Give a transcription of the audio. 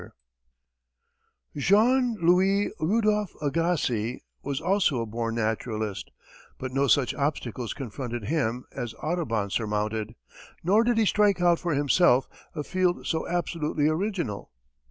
[Illustration: AGASSIZ] Jean Louis Rudolphe Agassiz was also a born naturalist, but no such obstacles confronted him as Audubon surmounted, nor did he strike out for himself a field so absolutely original.